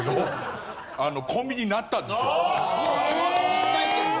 実体験だ。